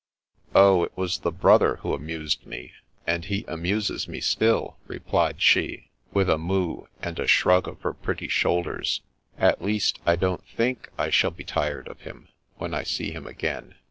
" Oh, it was the brother who amused me, and he amuses me still," replied she, with a moue, and a shrug of her pretty shoulders. " At least, I don't think I shall be tired of him, when I see him again.